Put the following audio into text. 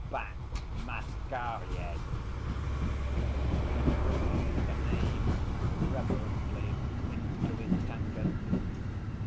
Bat Masquerier.' He breathed the name reverently into his tankard.